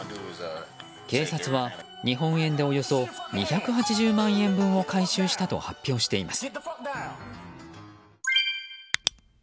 警察は日本円でおよそ２８０万円分を回収したと発表しています。